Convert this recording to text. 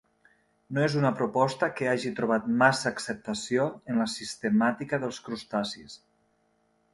No és una proposta que hagi trobat massa acceptació en la sistemàtica dels crustacis.